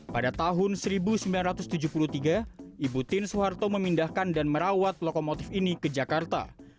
pada tahun seribu sembilan ratus tujuh puluh tiga ibu tin soeharto memindahkan dan merawat lokomotif ini ke jakarta